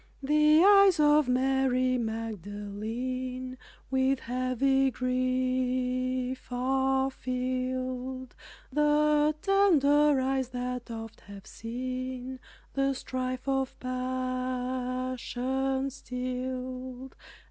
The eyes of Mary Magdalene, With heavy grief are filled; The tender eyes that oft have seen The strife of passion stilled.